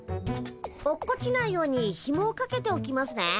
落っこちないようにひもをかけておきますね。